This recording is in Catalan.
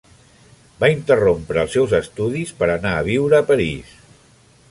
Va interrompre els seus estudis per anar a viure a París.